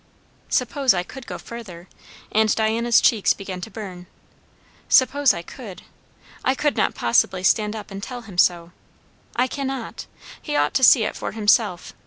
Suppose I could go further" and Diana's cheeks began to burn "suppose I could, I could not possibly stand up and tell him so. I cannot. He ought to see it for himself.